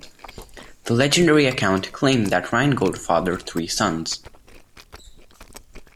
The legendary account claimed that Ryngold fathered three sons.